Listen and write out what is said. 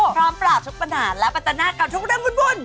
พร้อมปราบทุกปัญหาและปัจจนากับทุกเรื่องวุ่น